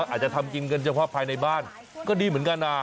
อาจจะทำกินกันเฉพาะภายในบ้านก็ดีเหมือนกันนะ